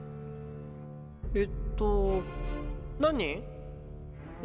えっと何人？